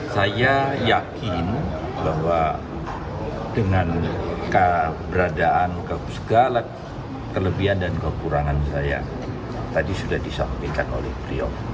saya yakin bahwa dengan keberadaan segala kelebihan dan kekurangan saya tadi sudah disampaikan oleh beliau